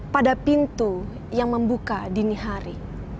pada pintu yang membuka dini hari